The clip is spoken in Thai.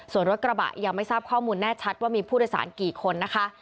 ส่วนรถกระบะยังไม่ทราบข้อมูลแน่ชัดว่ามีผู้โดยสารกี่คนนะคะ